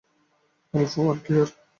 Alpha one, clear.